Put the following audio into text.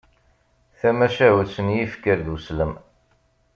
Tamacahut n yifker d uslem.